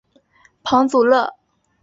庞祖勒。